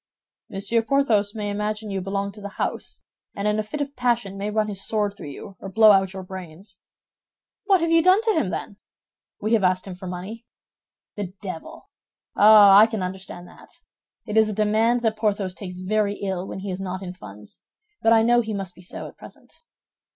"Monsieur Porthos may imagine you belong to the house, and in a fit of passion might run his sword through you or blow out your brains." "What have you done to him, then?" "We have asked him for money." "The devil! Ah, I can understand that. It is a demand that Porthos takes very ill when he is not in funds; but I know he must be so at present."